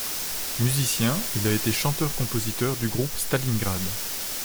Musicien, il a été chanteur-compositeur du groupe Stalingrad.